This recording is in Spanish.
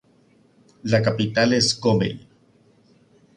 La capital es Gómel.